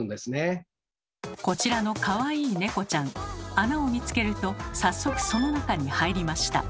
穴を見つけると早速その中に入りました。